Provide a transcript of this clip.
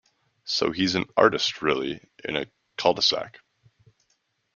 So he's an artist really in a cul-de-sac.